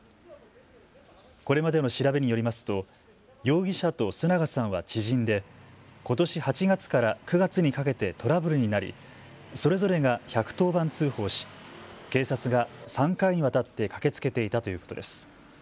これまでの調べによりますと容疑者と須永さんは知人でことし８月から９月にかけてトラブルになりそれぞれが１１０番通報し警察が３回にわたって駆けつけていたということです。